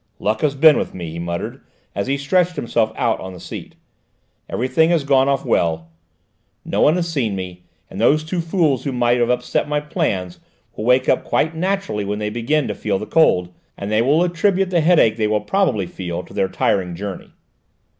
"Luck has been with me," he muttered as he stretched himself out on the seat. "Everything has gone off well; no one has seen me, and those two fools who might have upset my plans will wake up quite naturally when they begin to feel the cold; and they will attribute the headache they will probably feel to their tiring journey."